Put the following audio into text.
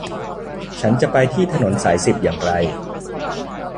ฉันจะไปที่ถนนสายสิบอย่างไร